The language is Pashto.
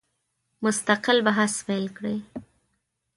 مستقل بحث پیل کړي.